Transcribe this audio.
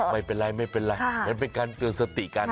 ไม่เป็นไรมันเป็นการเตือนสติกัน